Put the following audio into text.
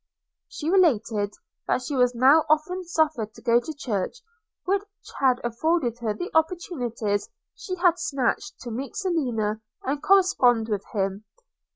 – She related, that she was now often suffered to go to church, which had afforded her the opportunities she had snatched to meet Selina and correspond with him.